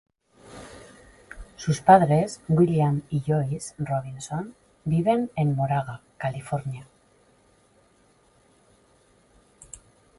Sus padres, William y Joyce Robinson, viven en Moraga, California.